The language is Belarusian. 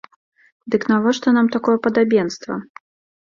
Дык навошта нам такое падабенства?